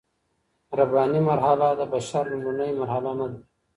رباني مرحله د بشر لومړنۍ مرحله نه ده.